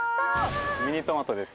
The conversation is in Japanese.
ミニトマトです。